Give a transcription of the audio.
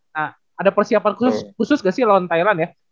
nah ada persiapan khusus gak sih lawan thailand ya